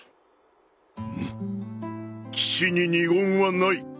うむ騎士に二言はない。